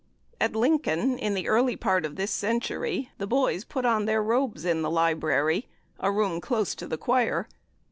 At Lincoln, in the early part of this century, the boys put on their robes in the library, a room close to the choir.